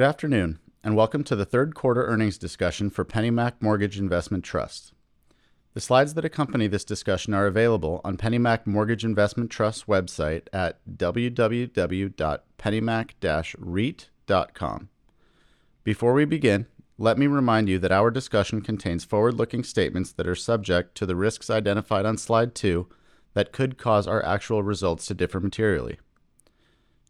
Good afternoon, and welcome to the third quarter earnings discussion for PennyMac Mortgage Investment Trust. The slides that accompany this discussion are available on PennyMac Mortgage Investment Trust's website at www.pennymac-reit.com. Before we begin, let me remind you that our discussion contains forward-looking statements that are subject to the risks identified on slide two that could cause our actual results to differ materially.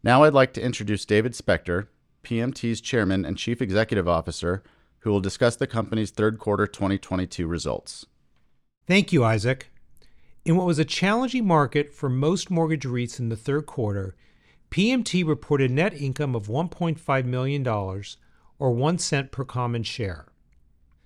Now I'd like to introduce David Spector, PMT's Chairman and Chief Executive Officer, who will discuss the company's third quarter 2022 results. Thank you, Isaac. In what was a challenging market for most mortgage REITs in the third quarter, PMT reported net income of $1.5 million or $0.01 per common share.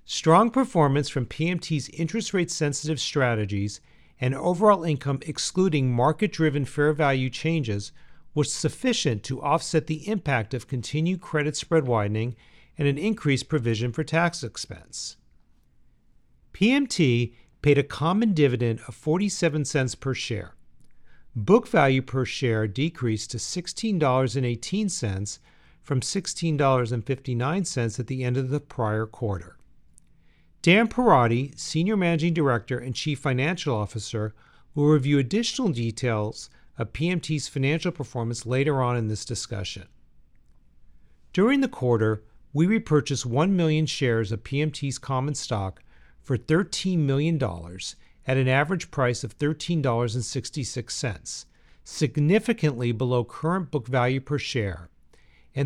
Strong performance from PMT's interest rate-sensitive strategies and overall income excluding market-driven fair value changes was sufficient to offset the impact of continued credit spread widening and an increased provision for tax expense. PMT paid a common dividend of $0.47 per share. Book value per share decreased to $16.18 from $16.59 at the end of the prior quarter. Dan Perotti, Senior Managing Director and Chief Financial Officer, will review additional details of PMT's financial performance later on in this discussion. During the quarter, we repurchased 1 million shares of PMT's common stock for $13 million at an average price of $13.66, significantly below current book value per share.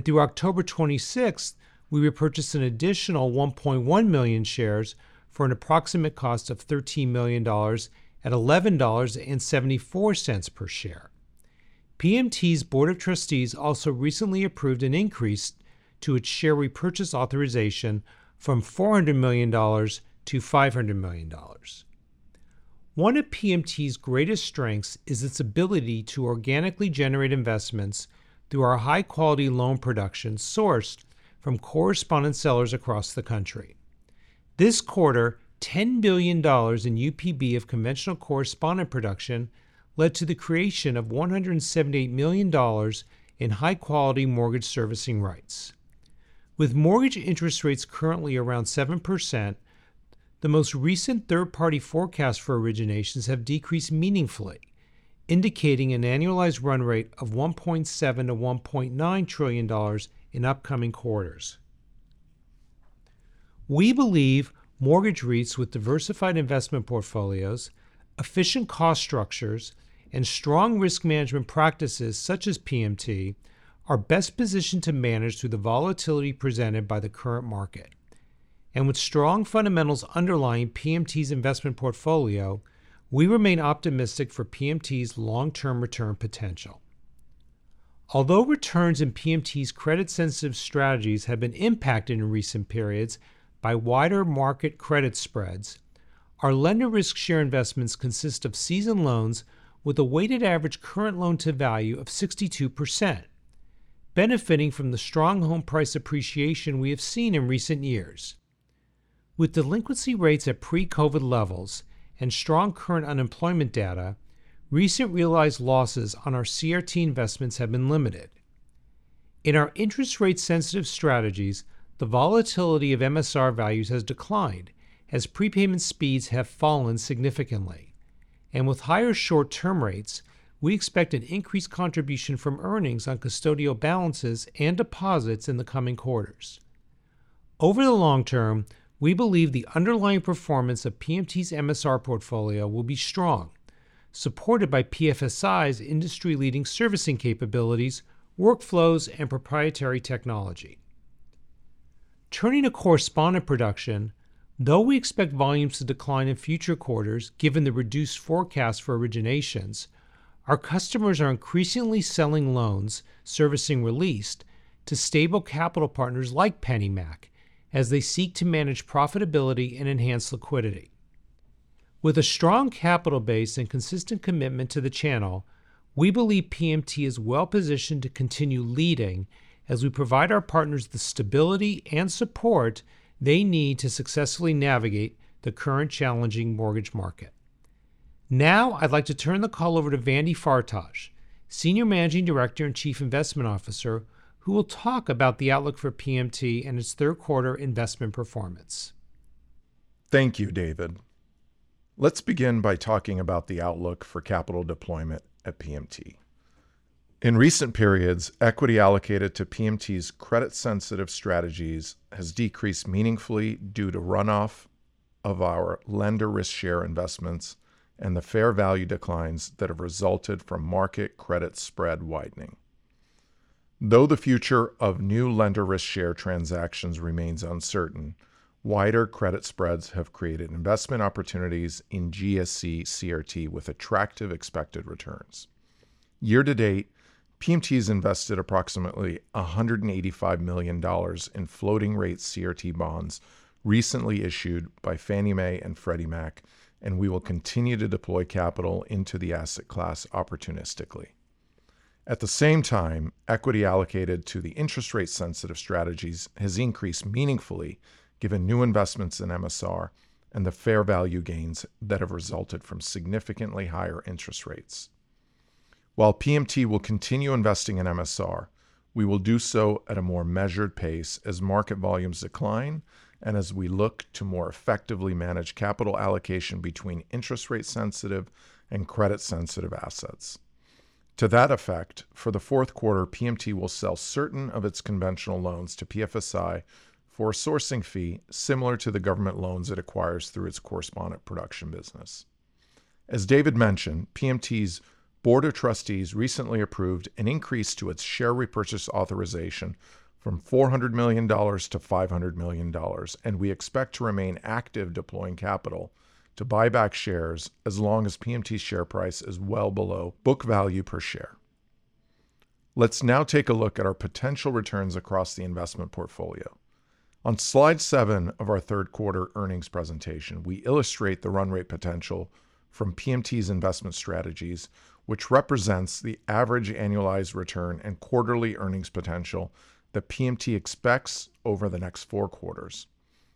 Through October twenty-sixth, we repurchased an additional 1.1 million shares for an approximate cost of $13 million at $11.74 per share. PMT's Board of Trustees also recently approved an increase to its share repurchase authorization from $400 million to $500 million. One of PMT's greatest strengths is its ability to organically generate investments through our high-quality loan production sourced from correspondent sellers across the country. This quarter, $10 billion in UPB of conventional correspondent production led to the creation of $178 million in high-quality mortgage servicing rights. With mortgage interest rates currently around 7%, the most recent third-party forecasts for originations have decreased meaningfully, indicating an annualized run rate of $1.7 trillion-$1.9 trillion in upcoming quarters. We believe mortgage REITs with diversified investment portfolios, efficient cost structures, and strong risk management practices such as PMT are best positioned to manage through the volatility presented by the current market. With strong fundamentals underlying PMT's investment portfolio, we remain optimistic for PMT's long-term return potential. Although returns in PMT's credit-sensitive strategies have been impacted in recent periods by wider market credit spreads, our lender risk share investments consist of seasoned loans with a weighted average current loan-to-value of 62%, benefiting from the strong home price appreciation we have seen in recent years. With delinquency rates at pre-COVID levels and strong current unemployment data, recent realized losses on our CRT investments have been limited. In our interest rate-sensitive strategies, the volatility of MSR values has declined as prepayment speeds have fallen significantly. With higher short-term rates, we expect an increased contribution from earnings on custodial balances and deposits in the coming quarters. Over the long term, we believe the underlying performance of PMT's MSR portfolio will be strong, supported by PFSI's industry-leading servicing capabilities, workflows, and proprietary technology. Turning to correspondent production, though we expect volumes to decline in future quarters given the reduced forecast for originations, our customers are increasingly selling loans, servicing released, to stable capital partners like PennyMac as they seek to manage profitability and enhance liquidity. With a strong capital base and consistent commitment to the channel, we believe PMT is well-positioned to continue leading as we provide our partners the stability and support they need to successfully navigate the current challenging mortgage market. Now I'd like to turn the call over to Vandad Fartaj, Senior Managing Director and Chief Investment Officer, who will talk about the outlook for PMT and its third quarter investment performance. Thank you, David. Let's begin by talking about the outlook for capital deployment at PMT. In recent periods, equity allocated to PMT's credit-sensitive strategies has decreased meaningfully due to runoff of our Lender Risk Share investments and the fair value declines that have resulted from market credit spread widening. Though the future of new Lender Risk Share transactions remains uncertain, wider credit spreads have created investment opportunities in GSE CRT with attractive expected returns. Year to date, PMT has invested approximately $185 million in floating-rate CRT bonds recently issued by Fannie Mae and Freddie Mac, and we will continue to deploy capital into the asset class opportunistically. At the same time, equity allocated to the interest rate-sensitive strategies has increased meaningfully given new investments in MSR and the fair value gains that have resulted from significantly higher interest rates. While PMT will continue investing in MSR, we will do so at a more measured pace as market volumes decline and as we look to more effectively manage capital allocation between interest rate sensitive and credit sensitive assets. To that effect, for the fourth quarter, PMT will sell certain of its conventional loans to PFSI for a sourcing fee similar to the government loans it acquires through its correspondent production business. As David mentioned, PMT's board of trustees recently approved an increase to its share repurchase authorization from $400 million to $500 million, and we expect to remain active deploying capital to buy back shares as long as PMT's share price is well below book value per share. Let's now take a look at our potential returns across the investment portfolio. On slide seven of our third quarter earnings presentation, we illustrate the run rate potential from PMT's investment strategies, which represents the average annualized return and quarterly earnings potential that PMT expects over the next four quarters.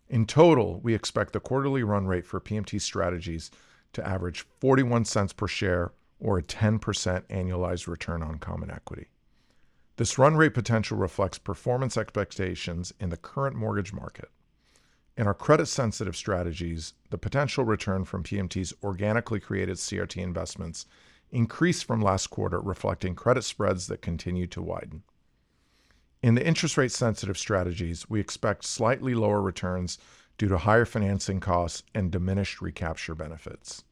In total, we expect the quarterly run rate for PMT strategies to average $0.41 per share or a 10% annualized return on common equity. This run rate potential reflects performance expectations in the current mortgage market. In our credit sensitive strategies, the potential return from PMT's organically created CRT investments increased from last quarter, reflecting credit spreads that continue to widen. In the interest rate sensitive strategies, we expect slightly lower returns due to higher financing costs and diminished recapture benefits.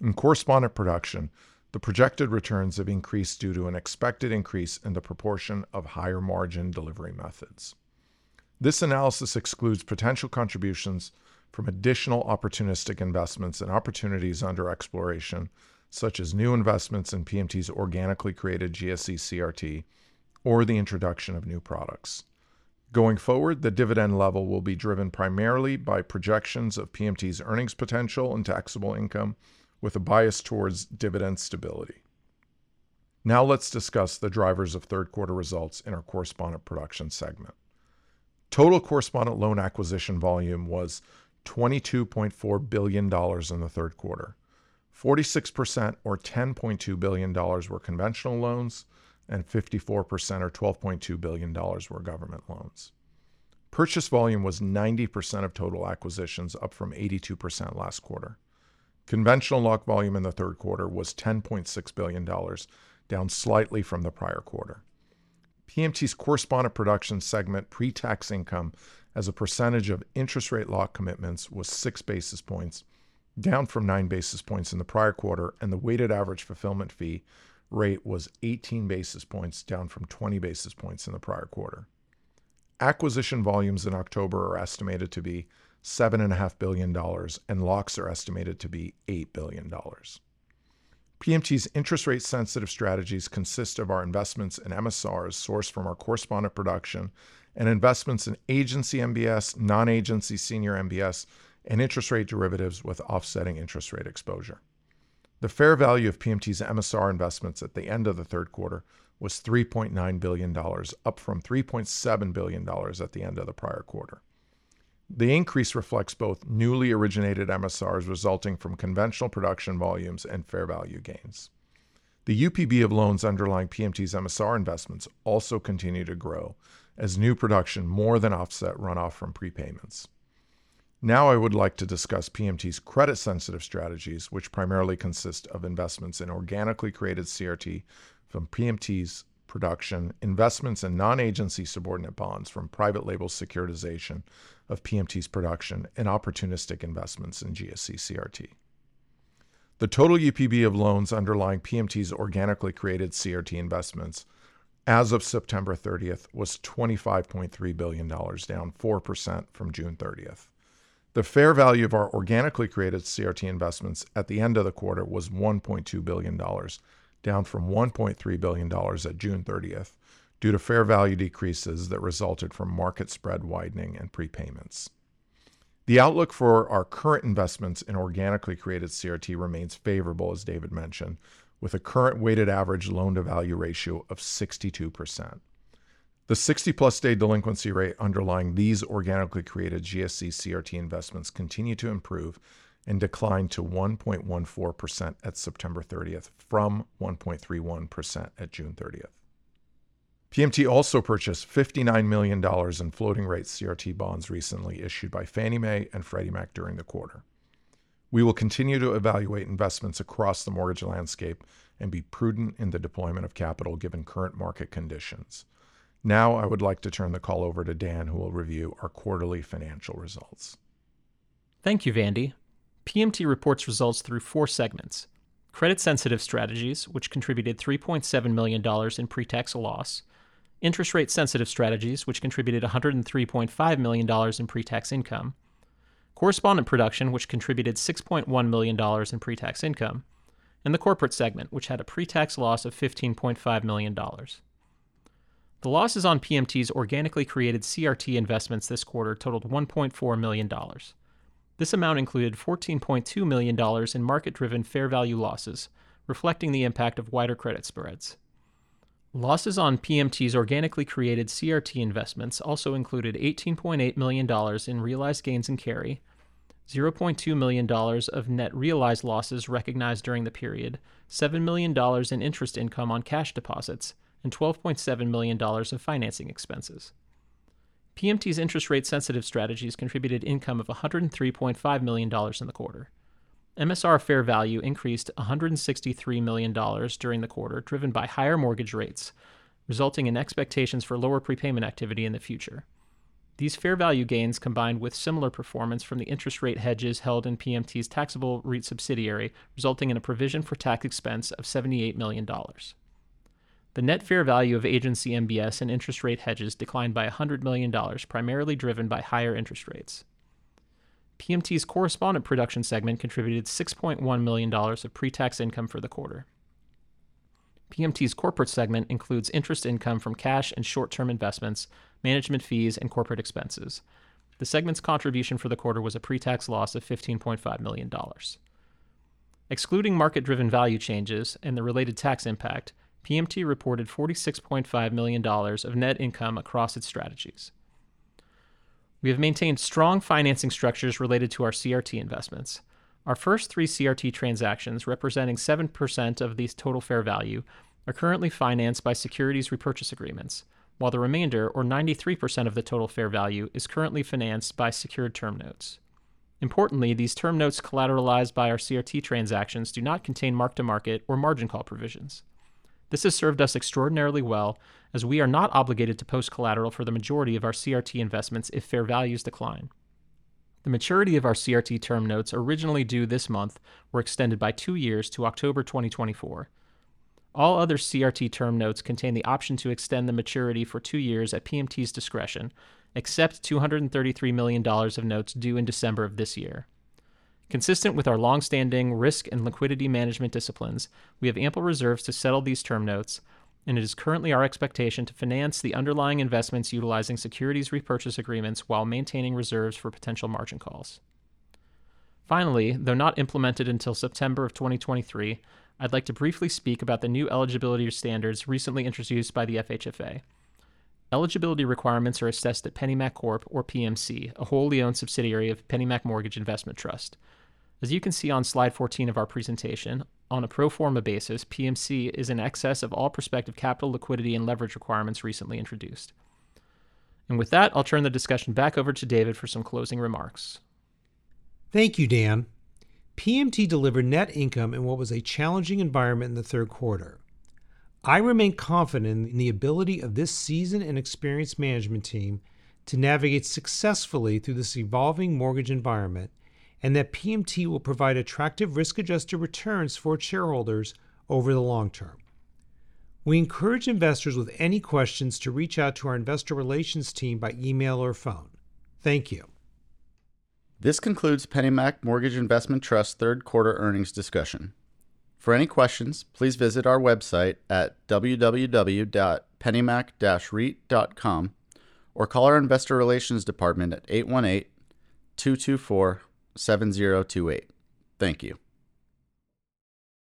In correspondent production, the projected returns have increased due to an expected increase in the proportion of higher margin delivery methods. This analysis excludes potential contributions from additional opportunistic investments and opportunities under exploration, such as new investments in PMT's organically created GSE CRT or the introduction of new products. Going forward, the dividend level will be driven primarily by projections of PMT's earnings potential and taxable income with a bias towards dividend stability. Now let's discuss the drivers of third quarter results in our correspondent production segment. Total correspondent loan acquisition volume was $22.4 billion in the third quarter. 46% or $10.2 billion were conventional loans and 54% or $12.2 billion were government loans. Purchase volume was 90% of total acquisitions, up from 82% last quarter. Conventional lock volume in the third quarter was $10.6 billion, down slightly from the prior quarter. PMT's correspondent production segment pre-tax income as a percentage of interest rate lock commitments was 6 basis points, down from 9 basis points in the prior quarter, and the weighted average fulfillment fee rate was 18 basis points, down from 20 basis points in the prior quarter. Acquisition volumes in October are estimated to be $7.5 billion, and locks are estimated to be $8 billion. PMT's interest rate sensitive strategies consist of our investments in MSRs sourced from our correspondent production and investments in Agency MBS, Non-Agency Senior MBS, and interest rate derivatives with offsetting interest rate exposure. The fair value of PMT's MSR investments at the end of the third quarter was $3.9 billion, up from $3.7 billion at the end of the prior quarter. The increase reflects both newly originated MSRs resulting from conventional production volumes and fair value gains. The UPB of loans underlying PMT's MSR investments also continue to grow as new production more than offset runoff from prepayments. Now I would like to discuss PMT's credit sensitive strategies, which primarily consist of investments in organically created CRT from PMT's production, investments in non-agency subordinate bonds from Private Label Securitization of PMT's production, and opportunistic investments in GSE CRT. The total UPB of loans underlying PMT's organically created CRT investments as of September thirtieth was $25.3 billion, down 4% from June thirtieth. The fair value of our organically created CRT investments at the end of the quarter was $1.2 billion, down from $1.3 billion at June thirtieth due to fair value decreases that resulted from market spread widening and prepayments. The outlook for our current investments in organically created CRT remains favorable, as David mentioned, with a current weighted average loan to value ratio of 62%. The 60+ day delinquency rate underlying these organically created GSE CRT investments continue to improve and declined to 1.14% at September 30th from 1.31% at June thirtieth. PMT also purchased $59 million in floating rate CRT bonds recently issued by Fannie Mae and Freddie Mac during the quarter. We will continue to evaluate investments across the mortgage landscape and be prudent in the deployment of capital given current market conditions. Now I would like to turn the call over to Dan, who will review our quarterly financial results. Thank you, Vandy. PMT reports results through four segments. Credit sensitive strategies, which contributed $3.7 million in pre-tax loss. Interest rate sensitive strategies, which contributed $103.5 million in pre-tax income. Correspondent production, which contributed $6.1 million in pre-tax income. The corporate segment, which had a pre-tax loss of $15.5 million. The losses on PMT's organically created CRT investments this quarter totaled $1.4 million. This amount included $14.2 million in market-driven fair value losses, reflecting the impact of wider credit spreads. Losses on PMT's organically created CRT investments also included $18.8 million in realized gains and carry, $0.2 million of net realized losses recognized during the period, $7 million in interest income on cash deposits, and $12.7 million of financing expenses. PMT's interest rate-sensitive strategies contributed income of $103.5 million in the quarter. MSR fair value increased $163 million during the quarter, driven by higher mortgage rates, resulting in expectations for lower prepayment activity in the future. These fair value gains, combined with similar performance from the interest rate hedges held in PMT's taxable REIT subsidiary, resulting in a provision for tax expense of $78 million. The net fair value of agency MBS and interest rate hedges declined by $100 million, primarily driven by higher interest rates. PMT's correspondent production segment contributed $6.1 million of pre-tax income for the quarter. PMT's corporate segment includes interest income from cash and short-term investments, management fees, and corporate expenses. The segment's contribution for the quarter was a pre-tax loss of $15.5 million. Excluding market-driven value changes and the related tax impact, PMT reported $46.5 million of net income across its strategies. We have maintained strong financing structures related to our CRT investments. Our first three CRT transactions, representing 7% of the total fair value, are currently financed by securities repurchase agreements, while the remainder, or 93% of the total fair value, is currently financed by secured term notes. Importantly, these term notes collateralized by our CRT transactions do not contain mark-to-market or margin call provisions. This has served us extraordinarily well as we are not obligated to post collateral for the majority of our CRT investments if fair values decline. The maturity of our CRT term notes originally due this month were extended by two years to October 2024. All other CRT term notes contain the option to extend the maturity for two years at PMT's discretion, except $233 million of notes due in December of this year. Consistent with our long-standing risk and liquidity management disciplines, we have ample reserves to settle these term notes, and it is currently our expectation to finance the underlying investments utilizing securities repurchase agreements while maintaining reserves for potential margin calls. Finally, though not implemented until September of 2023, I'd like to briefly speak about the new eligibility standards recently introduced by the FHFA. Eligibility requirements are assessed at PennyMac Corp, or PMC, a wholly owned subsidiary of PennyMac Mortgage Investment Trust. As you can see on slide 14 of our presentation, on a pro forma basis, PMC is in excess of all prospective capital liquidity and leverage requirements recently introduced. With that, I'll turn the discussion back over to David for some closing remarks. Thank you, Dan. PMT delivered net income in what was a challenging environment in the third quarter. I remain confident in the ability of this seasoned and experienced management team to navigate successfully through this evolving mortgage environment and that PMT will provide attractive risk-adjusted returns for its shareholders over the long term. We encourage investors with any questions to reach out to our investor relations team by email or phone. Thank you. This concludes PennyMac Mortgage Investment Trust third quarter earnings discussion. For any questions, please visit our website at www.pennymac-reit.com, or call our investor relations department at 818-224-7028. Thank you.